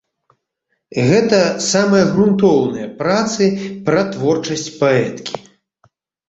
Гэта самыя грунтоўныя працы пра творчасць паэткі.